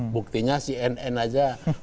buktinya cnn aja perlu perlunya untuk mencari